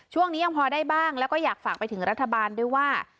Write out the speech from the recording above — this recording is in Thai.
ยังพอได้บ้างแล้วก็อยากฝากไปถึงรัฐบาลด้วยว่า